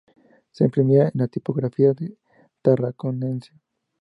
Se imprimía en la Tipografía Tarraconense.